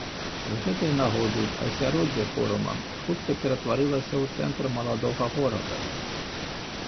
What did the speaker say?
З гэтай нагоды асяроддзе форума хутка ператварылася ў цэнтр маладога горада.